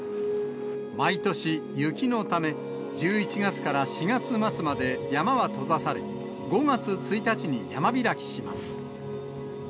毎年、雪のため、１１月から４月末まで山は閉ざされ、５月１日に山開きします。